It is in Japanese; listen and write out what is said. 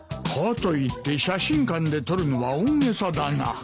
かといって写真館で撮るのは大げさだな。